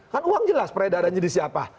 kan uang jelas peredaran jadi siapa